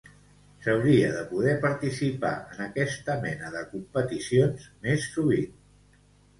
S'hauria de poder participar en aquesta mena de competicions més sovint.